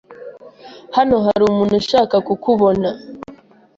Hano hari umuntu ushaka kukubona.